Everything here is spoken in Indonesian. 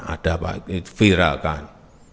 ada apa dikit viralkan